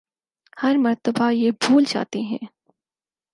ہر مرتبہ یہ بھول جاتے ہیں